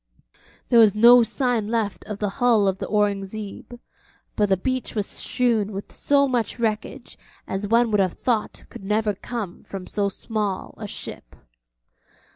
There was no sign left of the hull of the Aurungzebe, but the beach was strewn with so much wreckage as one would have thought could never come from so small a ship.